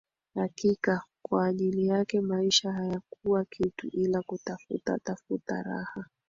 Hakika kwa ajili yake maisha hayakuwa kitu ila kutafuta tafuta raha